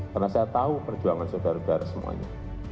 karena saya tahu perjuangan saudara saudara semuanya